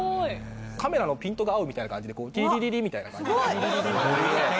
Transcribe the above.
カメラのピントが合うみたいな感じでティリリリみたいな感じでティリリリみたいな。